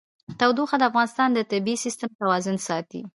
تودوخه د افغانستان د طبعي سیسټم توازن ساتي.